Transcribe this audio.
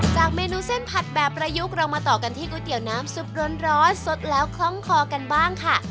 เมนูเส้นผัดแบบประยุกต์เรามาต่อกันที่ก๋วยเตี๋ยวน้ำซุปร้อนสดแล้วคล่องคอกันบ้างค่ะ